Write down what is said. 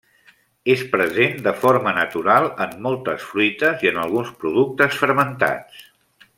És present de forma natural en moltes fruites i en alguns productes fermentats.